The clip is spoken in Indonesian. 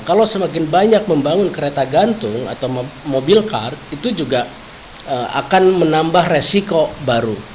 kalau semakin banyak membangun kereta gantung atau mobil kar itu juga akan menambah resiko baru